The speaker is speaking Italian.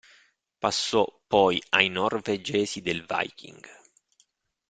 Passò poi ai norvegesi del Viking.